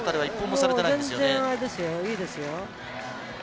全然いいですよ。